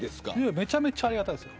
めちゃくちゃありがたいです。